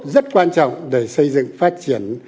rất quan trọng để xây dựng phát triển